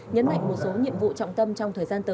nhấn mạnh một số nhiệm vụ trọng tâm trong thời gian tới